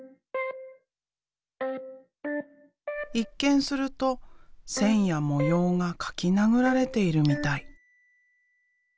一見すると線や模様が書きなぐられているみたい。